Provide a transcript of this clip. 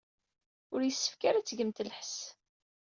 Ur yessefk ara ad tgemt lḥess.